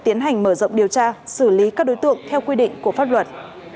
tiến hành mở rộng điều tra xử lý các đối tượng theo quy định của pháp luật